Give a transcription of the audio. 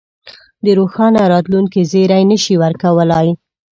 د روښانه راتلونکې زېری نه شي ورکولای.